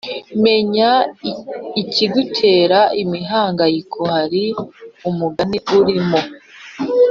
Menya ikigutera imihangayiko Hari umugani urimo